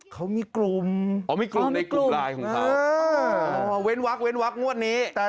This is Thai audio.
เขามีกลุ่มอ่อมีกลุ่มในกลุ่มลายของเธอเว้นวัยวัยวันนี้แต่